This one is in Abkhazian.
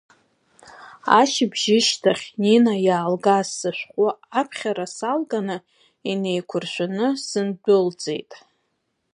Ашьыбжьышьҭахь Нина иаалгаз сышәҟәы аԥхьара саалганы, инеиқәыршәны сындәылҵит.